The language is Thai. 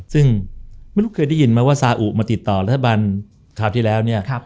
ซึ่งไม่รู้เคยได้ยินไหมว่าซาอุมาติดต่อรัฐบาลคราวที่แล้วเนี่ย